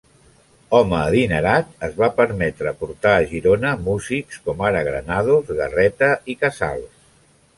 Home adinerat, es va permetre portar a Girona músics com ara Granados, Garreta i Casals.